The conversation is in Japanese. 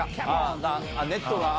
ネットが。